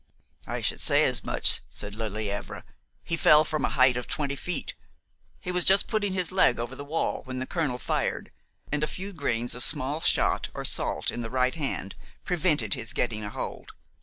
"I should say as much!" said Lelièvre; "he fell from a height of twenty feet. He was just putting his leg over the wall when the colonel fired, and a few grains of small shot or salt in the right hand prevented his getting a hold.